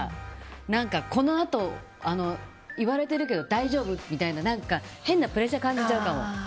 何かこのあと言われてるけど大丈夫？みたいな変なプレッシャー感じちゃうかも。